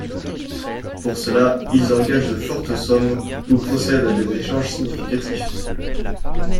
Pour cela, ils engagent de fortes sommes ou procèdent à des échanges significatifs.